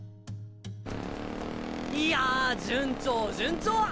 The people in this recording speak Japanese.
いや順調順調！